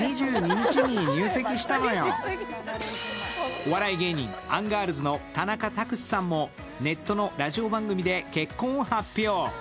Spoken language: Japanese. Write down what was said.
お笑い芸人・アンガールズの田中卓志さんもネットのラジオ番組で結婚を発表。